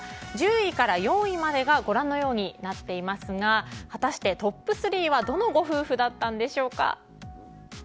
１０位から４位までがご覧のようになっていますがトップ３はどのご夫婦だったんでしょうか。